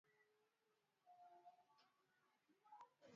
“Tunashuhudia unyanyasaji kutoka pande zote katika mzozo” aliongeza Valentine